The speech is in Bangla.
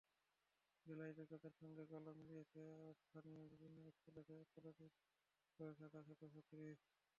গ্যালারিতে তাঁদের সঙ্গে গলা মিলিয়েছে স্থানীয় বিভিন্ন স্কুল-কলেজের কয়েক হাজার ছাত্রছাত্রী।